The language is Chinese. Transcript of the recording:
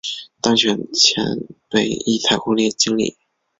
当选前为一采购经理。